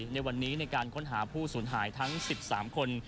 ในวันนี้ในการค้นหาผู้สูญหายทั้ง๑๓คน